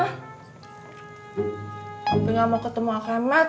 sopi nggak mau ketemu akemet